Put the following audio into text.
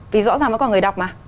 vì rõ ràng nó có người đọc mà